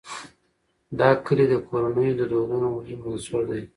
دا کلي د کورنیو د دودونو مهم عنصر دی.